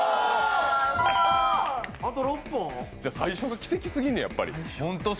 最初が奇跡すぎんねんやっぱり。